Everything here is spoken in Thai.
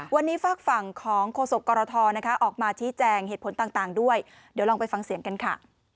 วันนี้ฝากฝั่งของโฆษกรทนะคะออกมาชี้แจงเหตุผลต่างด้วยเดี๋ยวลองไปฟังเสียงกันค่ะ